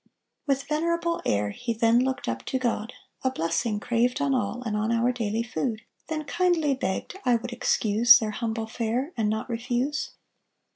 With venerable air He then looked up to God, A blessing craved on all, And on our daily food; Then kindly begged I would excuse Their humble fair, And not refuse.